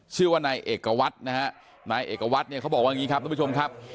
ชื่อว่านายเอกวัตรนะฮะนายเอกวัตรเนี่ยเขาบอกว่าอย่างนี้ครับทุกผู้ชมครับ